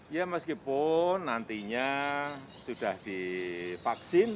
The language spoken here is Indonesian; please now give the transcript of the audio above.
ya meskipun nantinya sudah divaksin